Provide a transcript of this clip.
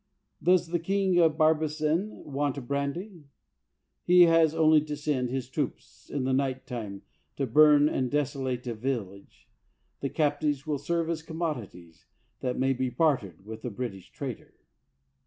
Does the king of Barbessin want brandy ? He has only to send his troops, in the night time, to burn and desolate a village; the captives will serve as commodities, that may be bartered with the British trader.